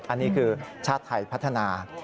อันนี้คือชาติไทยพัฒนา